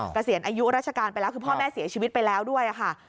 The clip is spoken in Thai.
เกษียณอายุราชการไปแล้วคือพ่อแม่เสียชีวิตไปแล้วด้วยค่ะ